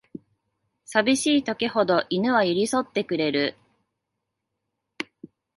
さびしい時ほど犬は寄りそってくれる